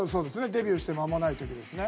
デビューして間もない時ですね。